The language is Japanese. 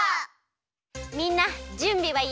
みんなじゅんびはいい？